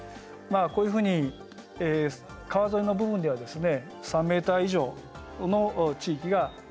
こういうふうに川沿いの部分では３ｍ以上の地域が広がってますが。